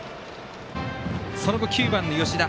その後、９番の吉田。